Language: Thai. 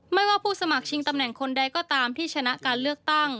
ไม่ว่าผู้สมัครชิงตำแหน่งคนใดก็ตามที่ชนะการเลือกตั้ง